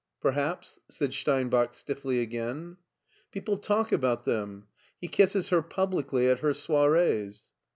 " Perhaps," said Steinbach stiffly again. " People talk about them. He kisses her publicly at her soirees."